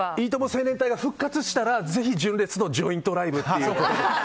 青年隊が復活したらぜひ、純烈のジョイントライブということで。